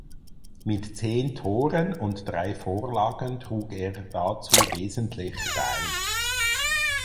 Mit zehn Toren und drei Vorlagen trug er dazu wesentlich bei.